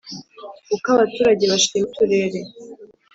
Uko abaturage bashima uturere